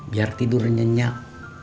biar tidur nyenyak